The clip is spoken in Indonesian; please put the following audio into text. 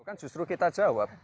kan justru kita jawab